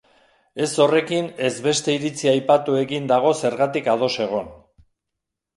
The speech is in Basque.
Ez horrekin ez beste iritzi aipatuekin dago zergatik ados egon.